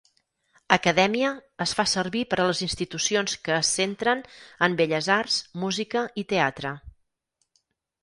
"Acadèmia" es fa servir per a les institucions que es centren en belles arts, música i teatre.